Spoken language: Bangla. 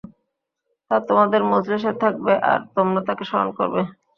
তা তোমাদের মজলিসে থাকবে আর তোমরা তাকে স্মরণ করবে।